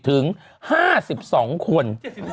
ถึง๕๒คน